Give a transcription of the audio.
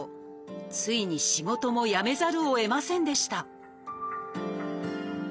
ついに仕事も辞めざるをえませんでした